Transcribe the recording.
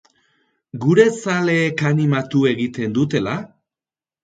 Gure zaleek animatu egiten dutela?